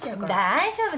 大丈夫？